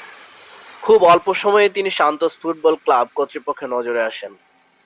খুব অল্প সময়েই তিনি সান্তোস ফুটবল ক্লাব কর্তৃপক্ষের নজরে আসেন।